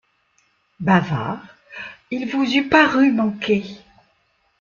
Bavard, il vous eût paru manqué.